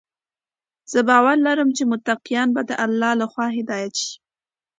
زه باور لرم چې متقیان به د الله لخوا هدايت شي.